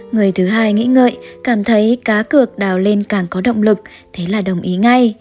người thứ hai nghĩ ngợi cảm thấy cá cược đào lên càng có động lực thế là đồng ý ngay